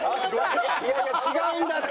いやいや違うんだって。